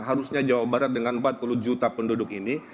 harusnya jawa barat dengan empat puluh juta penduduk ini